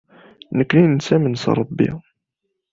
Nekkni nettamen s Ṛebbi.